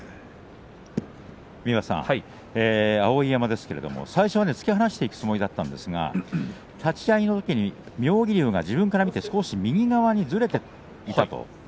碧山ですが最初は突き放していくつもりだったんですが立ち合いのときに妙義龍が自分から見て少し右側にずれていたと。